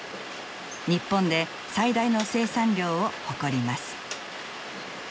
日本で最大の生産量を誇ります。